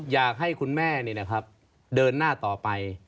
อยากให้คุณแม่เนี่ยนะครับเดินหน้าต่อไป